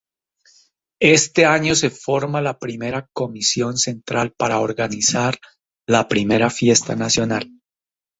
Ese año se forma la primera Comisión Central para organizar la Primera Fiesta Nacional.